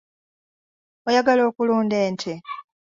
Oyagala okulunda ente?